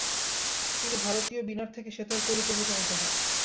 তিনি ভারতীয় বীণার থেকে সেতার তৈরিতে অনুপ্রাণিত হন।